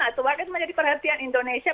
atau akan menjadi perhatian indonesia